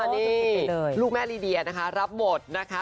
นี่ลูกแม่ลีเดียนะคะรับบทนะคะ